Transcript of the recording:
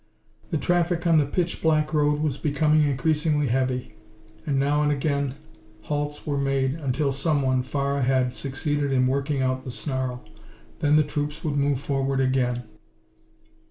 The traffic on the pitch black road was becoming increasingly heavy, and now and again halts were made until someone, far ahead, succeeded in working out the snarl. Then the troops would move forward again.